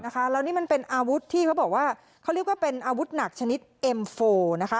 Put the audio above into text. แล้วนี่มันเป็นอาวุธที่เขาบอกว่าเขาเรียกว่าเป็นอาวุธหนักชนิดเอ็มโฟนะคะ